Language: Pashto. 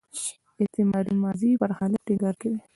استمراري ماضي پر حالت ټینګار کوي.